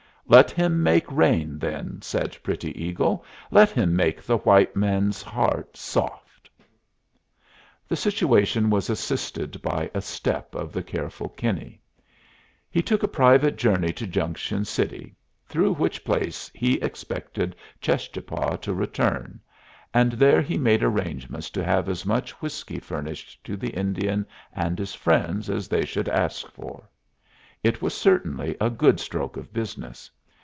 "Let him make rain, then," said Pretty Eagle. "Let him make the white man's heart soft." The situation was assisted by a step of the careful Kinney. He took a private journey to Junction City, through which place he expected Cheschapah to return, and there he made arrangements to have as much whiskey furnished to the Indian and his friends as they should ask for. It was certainly a good stroke of business.